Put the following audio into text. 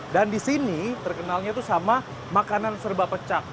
dan di sini terkenalnya tuh sama makanan serba pecak